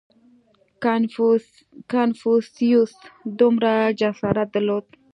• کنفوسیوس دومره جسارت درلود.